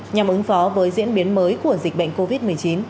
nhằm ứng phó với diễn biến mới của dịch bệnh covid một mươi chín